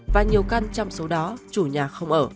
và nhiều căn trong số đó chủ nhà không ở